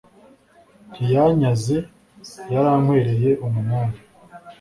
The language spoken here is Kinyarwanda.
Ntiyanyaze yarankwereye umunani